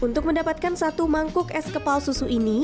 untuk mendapatkan satu mangkuk es kepal susu ini